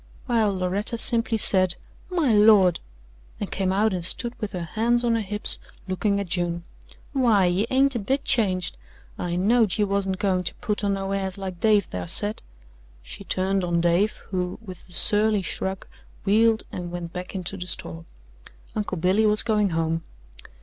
While Loretta simply said: "My Lord!" and came out and stood with her hands on her hips looking at June. "Why, ye ain't a bit changed! I knowed ye wasn't goin' to put on no airs like Dave thar said " she turned on Dave, who, with a surly shrug, wheeled and went back into the store. Uncle Billy was going home.